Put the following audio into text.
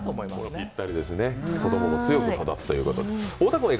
ぴったりですね、子供も強く育つという。